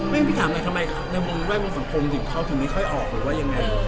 ไม่มีความถามเลยทำไมในว่ายบนสังคมถึงเข้าถึงไม่ค่อยออกหรือว่าอย่างไร